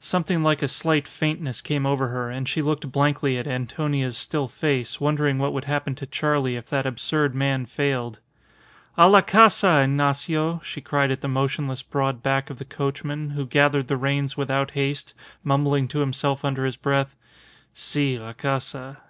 Something like a slight faintness came over her, and she looked blankly at Antonia's still face, wondering what would happen to Charley if that absurd man failed. "A la casa, Ignacio," she cried at the motionless broad back of the coachman, who gathered the reins without haste, mumbling to himself under his breath, "Si, la casa.